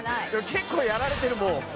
結構やられてるもう。